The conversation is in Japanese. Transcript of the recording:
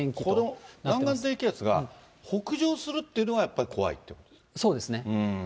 この南岸低気圧が、北上するっていうのが、やっぱり怖いといそうですね。